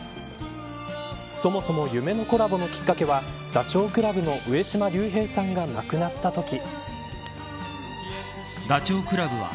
そもそも夢のコラボのきっかけはダチョウ倶楽部の上島竜兵さんが亡くなったとき。